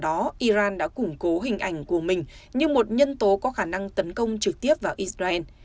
trước đó iran đã củng cố hình ảnh của mình như một nhân tố có khả năng tấn công trực tiếp vào israel